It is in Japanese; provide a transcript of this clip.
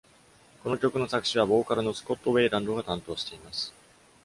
この曲の作詞は、ボーカルのスコット・ウェイランドが担当しています。